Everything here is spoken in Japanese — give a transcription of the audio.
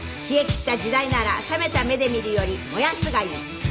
「冷え切った時代なら冷めた目で見るより燃やすがいい」